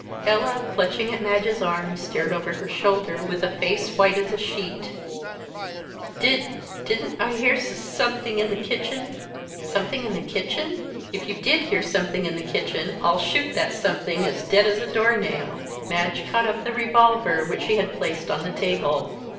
Ella, clutching at Madge's arm, stared over her shoulder with a face white as a sheet. "Did didn't I hear s something in the kitchen?" "Something in the kitchen? If you did hear something in the kitchen, I'll shoot that something as dead as a door nail." Madge caught up the revolver, which she had placed on the table.